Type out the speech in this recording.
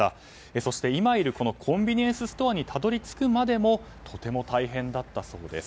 そして、今いるコンビニエンスストアにたどり着くまでもとても大変だったそうです。